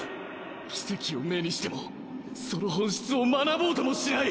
奇蹟を目にしてもその本質を学ぼうともしない。